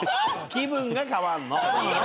気分が変わんの。